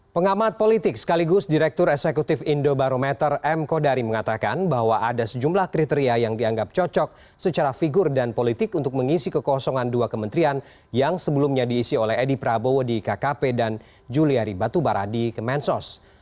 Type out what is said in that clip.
pengamat politik sekaligus direktur eksekutif indobarometer m kodari mengatakan bahwa ada sejumlah kriteria yang dianggap cocok secara figur dan politik untuk mengisi kekosongan dua kementerian yang sebelumnya diisi oleh edi prabowo di kkp dan juliari batubara di kemensos